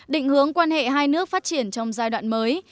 định hướng quan hệ hai nước phát triển trong giai đoạn mới